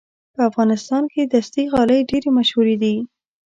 په افغانستان کې دستي غالۍ ډېرې مشهورې دي.